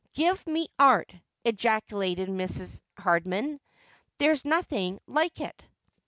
Give me 'art,' ejaculated Mrs. Hardman, 'there's nothing like it.'